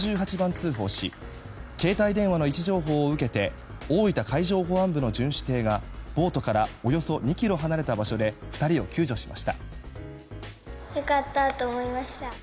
通報し携帯電話の位置情報を受けて大分海上保安部の巡視艇がボートからおよそ２ｋｍ離れた場所で２人を救助しました。